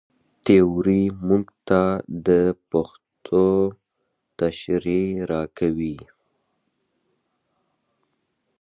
تیوري موږ ته د پېښو تشریح راکوي.